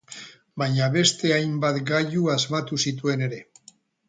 Baina, beste hainbat gailu asmatu zituen ere.